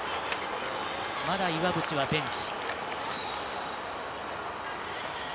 まだ岩渕はベンチ。